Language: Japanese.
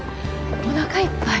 おなかいっぱい。